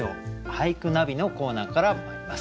「俳句ナビ」のコーナーからまいります。